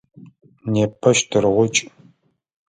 Непэ щтыргъукӏ.